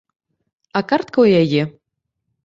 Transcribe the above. А картка ў яе.